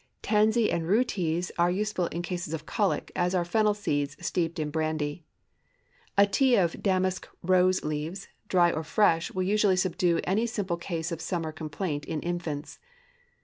Tansy and rue teas are useful in cases of colic, as are fennel seeds steeped in brandy. A tea of damask rose leaves, dry or fresh, will usually subdue any simple case of summer complaint in infants.